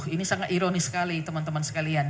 ini sangat ironis sekali teman teman sekalian